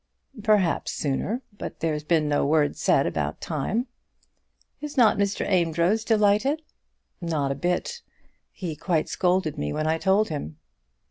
"Perhaps sooner; but there's been no word said about time." "Is not Mr. Amedroz delighted?" "Not a bit. He quite scolded me when I told him."